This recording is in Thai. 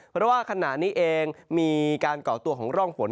เพราะว่าขณะนี้เองมีการก่อตัวของร่องฝน